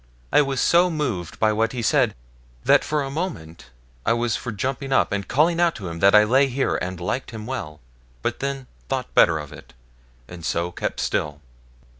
I was so moved by what he said, that for a moment I was for jumping up and calling out to him that I lay here and liked him well, but then thought better of it, and so kept still.